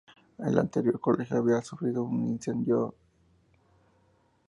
El anterior colegio habría sufrido un incendio.